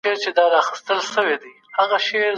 د دغه تنوع منل یو عقلاني او رغنده لاره ده.